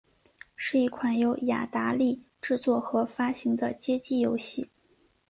是一款由雅达利制作和发行的街机游戏。